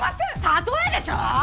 例えでしょう！